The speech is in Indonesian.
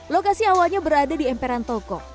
lokasi awalnya berada di emperan toko